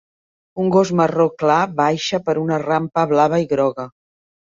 Un gos marró clar baixa per una rampa blava i groga.